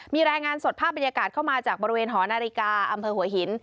มีรายงานสดภาพบรรยากาศเข้ามาจากบริเวณหอนาฬิกาอำเภอหัวหิน